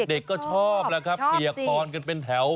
เด็กก็ชอบแล้วครับเปียกปอนกันเป็นแถว